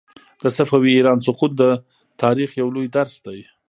د صفوي ایران سقوط د تاریخ یو لوی درس دی.